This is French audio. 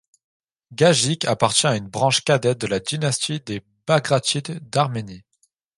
Gagik appartient à une branche cadette de la dynastie des Bagratides d’Arménie.